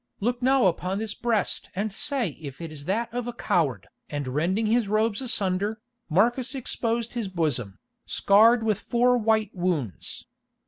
Look now upon this breast and say if it is that of a coward!" and rending his robes asunder, Marcus exposed his bosom, scarred with four white wounds.